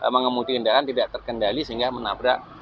mengemudi kendaraan tidak terkendali sehingga menabrak